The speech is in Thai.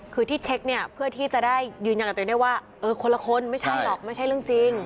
คือที่เช็คเนี่ยเพื่อที่จะได้ยืนยันกับตัวเองได้ว่าเออคนละคนไม่ใช่หรอกไม่ใช่เรื่องจริง